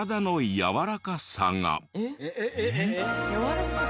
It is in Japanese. やわらかい？